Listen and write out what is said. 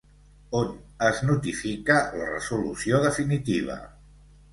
On es notifica la resolució definitiva?